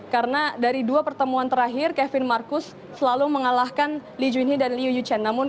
karena dari dua pertemuan terakhir kevin marcus selalu mengalahkan lee junhee dan liu yu chen namun